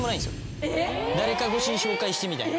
誰か越しに紹介してみたいな。